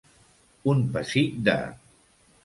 Un pessic de.